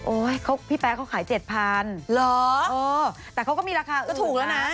โอ๊ยเขาพี่แป๊ะเขาขายเจ็ดพันเออแต่เขาก็มีราคาอื่นนะก็ถูกแล้วนะ